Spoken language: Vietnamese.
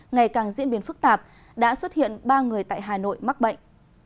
ngày càng diễn biến phức tạp đã xuất hiện ba người tại hà nội mắc bệnh